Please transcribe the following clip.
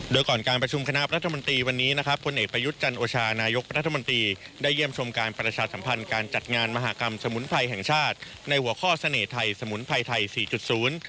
โดยก่อนการประชุมคณะรัฐมนตรีวันนี้นะครับพลเอกประยุทธ์จันโอชานายกรัฐมนตรีได้เยี่ยมชมการประชาสัมพันธ์การจัดงานมหากรรมสมุนไพรแห่งชาติในหัวข้อเสน่ห์ไทยสมุนไพรไทยสี่จุดศูนย์